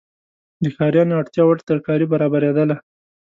د ښاریانو اړتیاوړ ترکاري برابریدله.